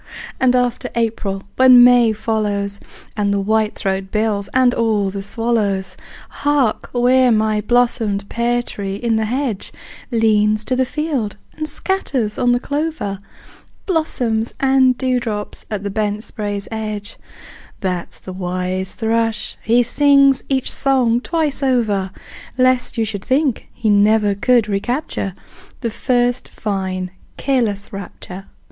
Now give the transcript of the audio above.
And after April, when May follows, And the whitethroat builds, and all the swallows! Hark, where my blossomed pear tree in the hedge Leans to the field and scatters on the clover Blossoms and dewdrops at the bent spray's edge That's the wise thrush; he sings each song twice over, Lest you should think he never could recapture The first fine careless rapture!